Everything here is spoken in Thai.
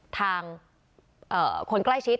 ทางคนใกล้ชิด